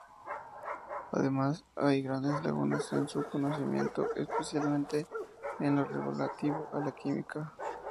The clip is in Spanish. Además, hay grandes lagunas en su conocimiento, especialmente en lo relativo a la química.